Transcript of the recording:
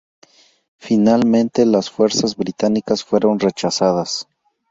Finalmente, las fuerzas británicas fueron rechazadas.